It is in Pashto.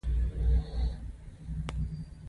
راکټ د څېړونکو ذهن ته الهام ورکړ